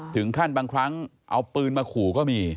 ถึงขั้นบางครั้งเอาปืนมาขู่ก็มี